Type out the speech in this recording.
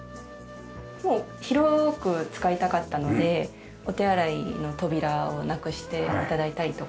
広く使いたかったのでお手洗いの扉をなくして頂いたりとか。